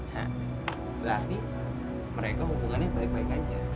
nah berarti mereka hubungannya baik baik aja